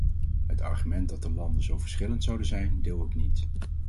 Het argument dat de landen zo verschillend zouden zijn, deel ik niet.